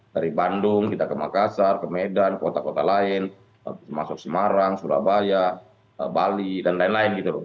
dari bandung kita ke makassar ke medan ke kota kota lain masuk semarang surabaya bali dan lain lain gitu loh